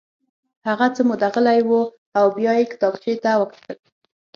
هغه څه موده غلی و او بیا یې کتابچې ته وکتل